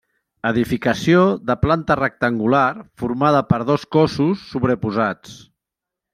Edificació de planta rectangular formada per dos cossos sobreposats.